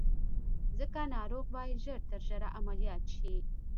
ځکه ناروغ بايد ژر تر ژره عمليات شي.